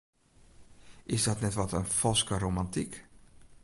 Is dat net wat in falske romantyk?